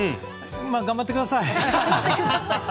まあ頑張ってください。